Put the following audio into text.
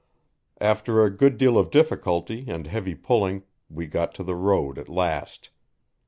After a good deal of difficulty and heavy pulling we got to the road at last.